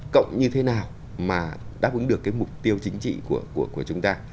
cộng như thế nào mà đáp ứng được cái mục tiêu chính trị của chúng ta